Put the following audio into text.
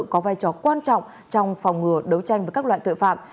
có vai trò quan trọng trong phòng ngừa đấu tranh với các loại tội phạm